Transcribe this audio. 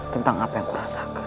tentang apa yang kurasakan